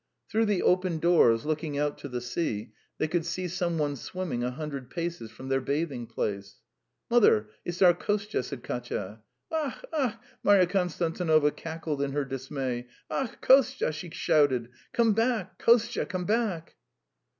Through the open doors looking out to the sea they could see some one swimming a hundred paces from their bathing place. "Mother, it's our Kostya," said Katya. "Ach, ach!" Marya Konstantinovna cackled in her dismay. "Ach, Kostya!" she shouted, "Come back! Kostya, come back!"